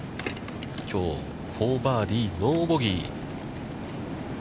きょう、４バーディー、ノーボギー。